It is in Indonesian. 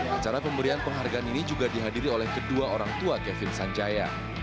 acara pemberian penghargaan ini juga dihadiri oleh kedua orang tua kevin sanjaya